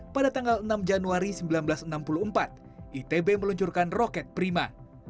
pada tanggal enam januari seribu sembilan ratus enam puluh empat itb meluncurkan roket prima